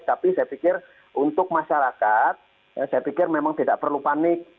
tapi saya pikir untuk masyarakat saya pikir memang tidak perlu panik